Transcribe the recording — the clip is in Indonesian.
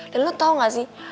dan lo tau nggak sih